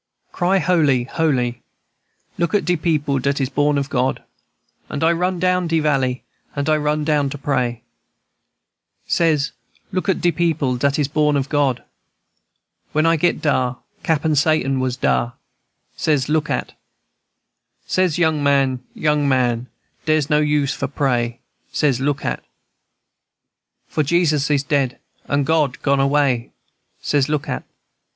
"Cry holy, holy! Look at de people dat is born of God. And I run down de valley, and I run down to pray, Says, look at de people dat is born of God. When I get dar, Cappen Satan was dar, Says, look at, &c. Says, young man, young man, dere's no use for pray, Says, look at, &c. For Jesus is dead, and God gone away, Says, look at, &c.